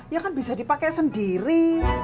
ya kan bisa dipakai sendiri